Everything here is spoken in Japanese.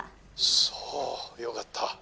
「そうよかった」